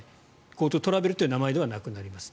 ＧｏＴｏトラベルという名前ではなくなります。